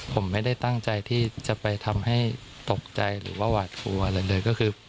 ผมไม่ได้ตั้งใจที่จะไปทำให้ตกใจหรือว่าหวาดกลัวอะไรเลยก็คือ